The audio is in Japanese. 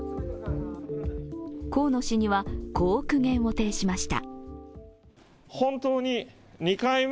河野氏には、こう苦言を呈しました